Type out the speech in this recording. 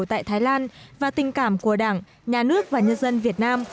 tại thái lan và tình cảm của đảng nhà nước và nhân dân việt nam